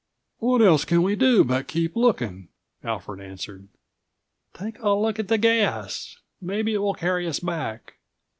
"What else can we do but keep looking?" Alfred answered. "Take a look at the gas. Maybe it will carry us back."